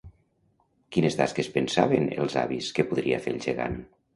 Quines tasques pensaven els avis que podria fer el gegant?